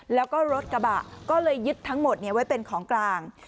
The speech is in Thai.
แล้วก็รถกระบะก็เลยยึดทั้งหมดไว้เป็นของกลาง